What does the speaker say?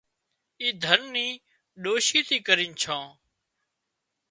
اِي ڌنَ ني ڏوشي ٿي ڪرينَ ڇان